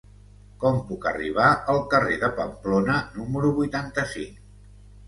Com puc arribar al carrer de Pamplona número vuitanta-cinc?